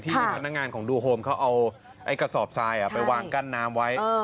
พนักงานของดูโฮมเขาเอากระสอบทรายไปวางกั้นน้ำไว้